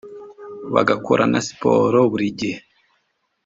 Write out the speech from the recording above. bagakora na siporo buri gihe